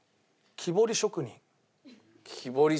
木彫り職人。